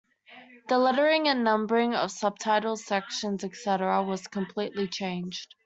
The lettering and numbering of subtitles, sections, etc., was completely changed.